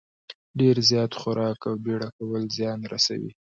ډېر زیات خوراک او بېړه کول زیان رسوي.